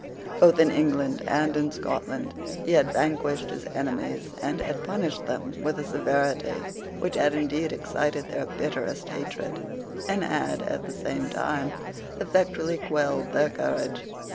Both in England and in Scotland he had vanquished his enemies, and had punished them with a severity which had indeed excited their bitterest hatred, but had, at the same time, effectually quelled their courage.